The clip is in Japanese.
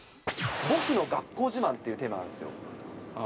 僕の学校自慢っていうテーマなんですよ。